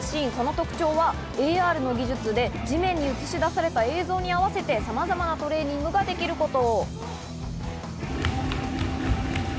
その特徴はＡＲの技術で地面に映し出された映像に合わせて、さまざまなトレーニングができること。